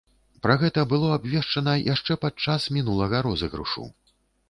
Пра гэта было абвешчана яшчэ падчас мінулага розыгрышу.